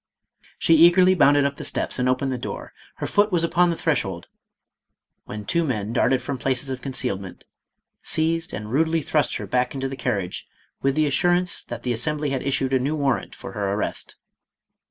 She eagerly bounded up the steps and opened the door ; her foot was upon the threshold — when two men dart ed from places of concealment, seized and rudely thrust 516 MADAME ROLAND. her back into the carriage with the assurance that the Assembly had issued a new warrant for her arrest.